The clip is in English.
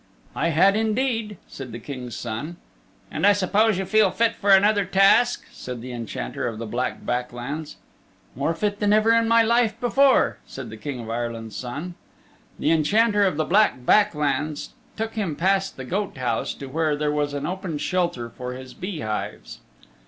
"I had indeed," said the King's Son. "And I suppose you feel fit for another task," said the Enchanter of the Black Back Lands. "More fit than ever in my life before," said the King of Ireland's Son. The Enchanter of the Black Back Lands took him past the goat house and to where there was an open shelter for his bee hives.